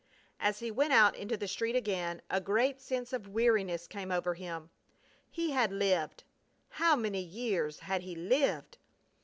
As he went out into the street again a great sense of weariness came over him. He had lived how many years had he lived!